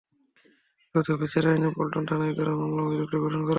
দ্রুত বিচার আইনে পল্টন থানায় করা মামলায় অভিযোগটি গঠন করা হয়।